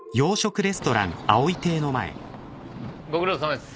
ご苦労さまです。